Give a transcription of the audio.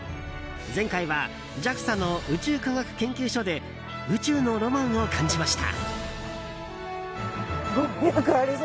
前回はＪＡＸＡの宇宙科学研究所で宇宙のロマンを感じました。